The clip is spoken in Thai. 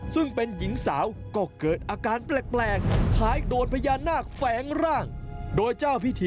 ซึ่งเป็นหญิงสาวก็เกิดอาการแปลกคล้ายโดนพญานาคแฝงร่างโดยเจ้าพิธี